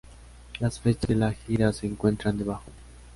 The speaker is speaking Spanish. Las fechas de la gira se encuentran debajo.